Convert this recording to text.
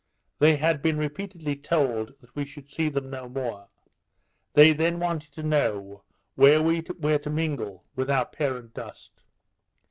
They had been repeatedly told that we should see them no more; they then wanted to know where we were to mingle with our parent dust.